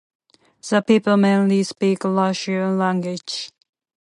The people mainly speak Lurish language.